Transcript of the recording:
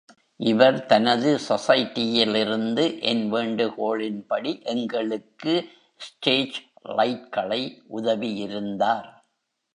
இவர் தனது சொசைடியிலிருந்து என் வேண்டுகோளின்படி எங்களுக்கு ஸ்டேஜ் லைட்களை உதவியிருந்தார்.